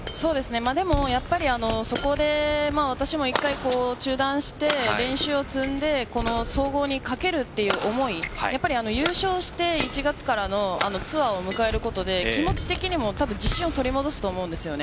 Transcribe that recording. でも、そこで私も１回中断して練習を積んで総合にかけるという思い優勝して１月からのツアーを迎えることで気持ち的にも自信を取り戻すと思うんですよね。